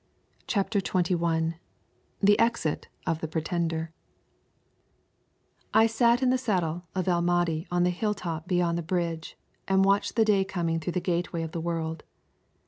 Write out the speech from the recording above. CHAPTER XXI THE EXIT OF THE PRETENDER I sat in the saddle of El Mahdi on the hill top beyond the bridge, and watched the day coming through the gateway of the world.